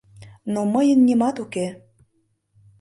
— Но мыйын нимат уке.